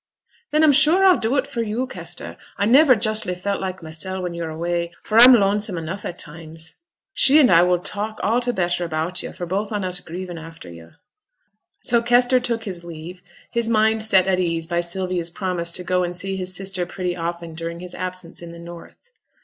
'Then I'm sure I'll do it for yo', Kester. I niver justly feel like mysel' when yo're away, for I'm lonesome enough at times. She and I will talk a' t' better about yo' for both on us grieving after yo'.' So Kester took his leave, his mind set at ease by Sylvia's promise to go and see his sister pretty often during his absence in the North.